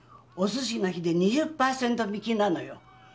「おすしの日」で２０％引きなのよ。